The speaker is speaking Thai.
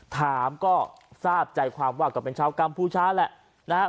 ถามก็ทราบใจความว่าก็เป็นเช้ากรรมผู้ช้าแหละนะฮะ